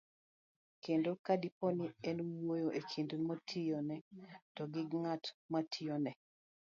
kendo, kadipo ni en wuoyo e kind mitiyone to gi ng'at matiyone,